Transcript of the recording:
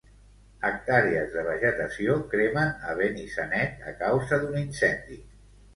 Hectàrees de vegetació cremen a Benissanet a causa d'un incendi.